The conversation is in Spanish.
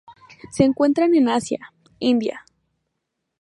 Se encuentran en Asia: India.